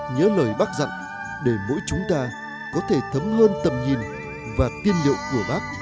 nhớ lời bác dặn để mỗi chúng ta có thể thấm hơn tầm nhìn và tiên liệu của bác